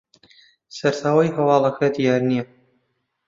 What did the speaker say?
سەرچاوەی هەواڵەکە دیار نییە